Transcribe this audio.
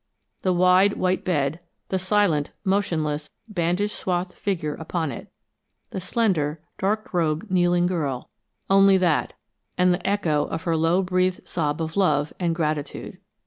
The wide, white bed, the silent, motionless, bandage swathed figure upon it, the slender, dark robed, kneeling girl only that, and the echo of her low breathed sob of love and gratitude.